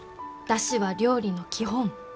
出汁は料理の基本。